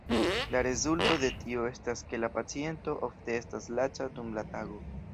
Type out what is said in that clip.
La rezulto de tio estas ke la paciento ofte estas laca dum la tago.